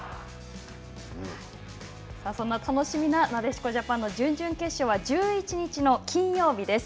そんな楽しみななでしこジャパンの準々決勝は１１日の金曜日です。